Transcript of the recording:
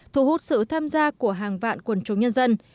thu hút sự tham gia của hàng vạn quân chủ nhân dân